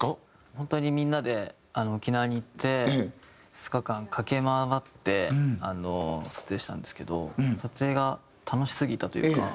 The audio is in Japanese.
本当にみんなで沖縄に行って２日間駆け回って撮影したんですけど撮影が楽しすぎたというか。